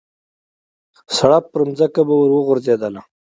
سړپ پرځمکه به ور وغورځېدله.